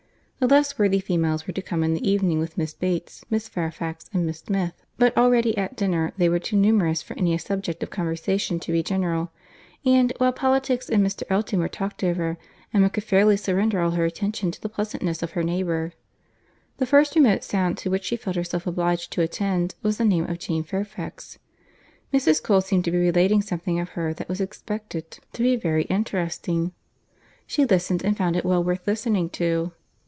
The less worthy females were to come in the evening, with Miss Bates, Miss Fairfax, and Miss Smith; but already, at dinner, they were too numerous for any subject of conversation to be general; and, while politics and Mr. Elton were talked over, Emma could fairly surrender all her attention to the pleasantness of her neighbour. The first remote sound to which she felt herself obliged to attend, was the name of Jane Fairfax. Mrs. Cole seemed to be relating something of her that was expected to be very interesting. She listened, and found it well worth listening to.